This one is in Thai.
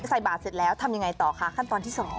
ใส่บาทเสร็จแล้วทำยังไงต่อคะขั้นตอนที่๒